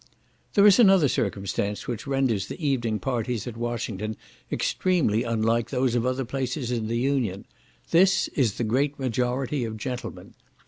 There is another circumstance which renders the evening parties at Washington extremely unlike those of other places in the Union; this is the great majority of gentlemen.